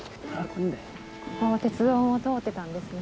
ここも鉄道通ってたんですね。